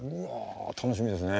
楽しみですね。